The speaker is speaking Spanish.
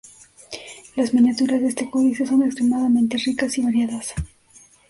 Las miniaturas de este códice son extremadamente ricas y variadas.